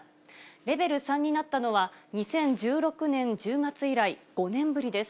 レベル３になったのは、２０１６年１０月以来、５年ぶりです。